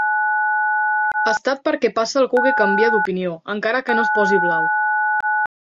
Estat per què passa algú que canvia d'opinió, encara que no es posi blau.